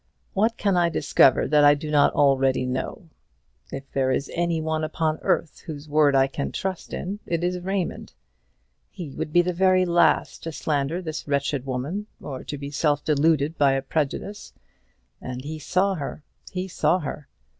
"What can I discover that I do not already know? If there is any one upon earth whose word I can trust in, it is Raymond. He would be the very last to slander this wretched woman, or to be self deluded by a prejudice; and he saw her he saw her.